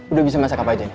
udah bisa masak apa aja